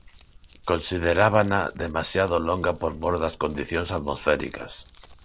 Considerábana demasiado longa por mor das condicións atmosféricas.